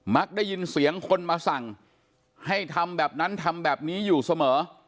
ได้ยินเสียงคนมาสั่งให้ทำแบบนั้นทำแบบนี้อยู่เสมอ